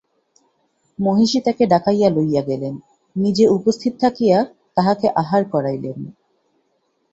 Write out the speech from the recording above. মহিষী তাহাকে ডাকাইয়া লইয়া গেলেন, নিজে উপস্থিত থাকিয়া তাহাকে আহার করাইলেন।